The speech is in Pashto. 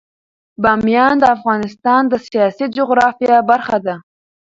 بامیان د افغانستان د سیاسي جغرافیه برخه ده.